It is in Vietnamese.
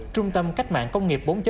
trung tâm cách mạng công nghiệp bốn